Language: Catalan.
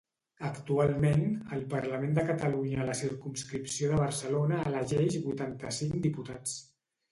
Actualment el Parlament de Catalunya a la circumscripció de Barcelona elegeix vuitanta-cinc diputats.